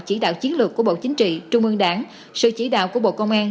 chỉ đạo chiến lược của bộ chính trị trung ương đảng sự chỉ đạo của bộ công an